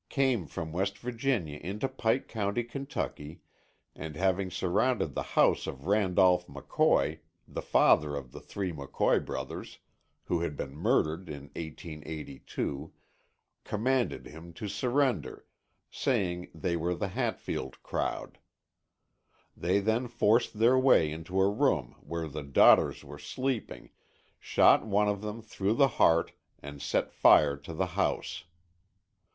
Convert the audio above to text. came from West Virginia into Pike County (Kentucky) and having surrounded the house of Randolph McCoy, the father of the three McCoy brothers, who had been murdered in 1882, commanded him to surrender, saying they were the Hatfield crowd. They then forced their way into a room where the daughters were sleeping, shot one of them through the heart, and set fire to the house.